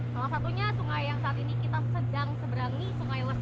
salah satunya sungai yang saat ini kita sedang seberangi sungai lestari